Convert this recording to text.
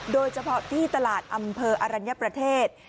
โดยเฉพาะที่ตลาดอำเภออรัญญประเทศ